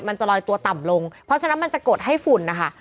มันจะลอยตัวต่ำลงเพราะฉะนั้นมันจะกดให้ฝุ่นนะคะ